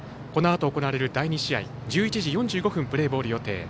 このあと行われる第２試合１１時４５分プレーボール予定。